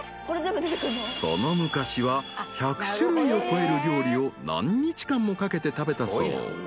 ［その昔は１００種類を超える料理を何日間もかけて食べたそう］